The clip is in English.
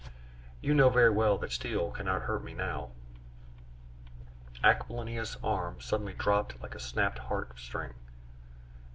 "You know very well that steel cannot hurt me now " Aquilina's arm suddenly dropped like a snapped harp string.